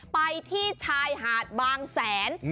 ไปที่ชายหาดบางแสน